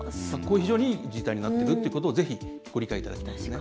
非常に、いい時代になっているということをぜひ、ご理解いただきたいです。